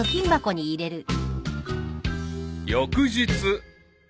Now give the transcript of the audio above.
［翌日］